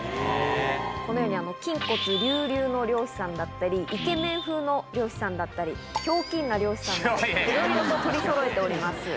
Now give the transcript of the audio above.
このように筋骨隆々の漁師さんだったり、イケメン風の漁師さんだったり、ひょうきんな漁師さんもいて、いろいろと取りそろえております。